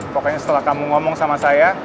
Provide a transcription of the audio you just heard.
pokoknya setelah kamu ngomong sama saya